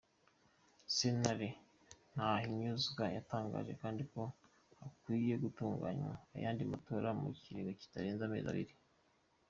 Sentare ntahinyuzwa yatangaje kandi ko hakwiye gutunganywa ayandi matora mu kiringo kitarenze amezi abiri.